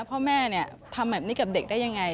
พ่อแม่ทำแบบนี้กับเด็กได้ยังไง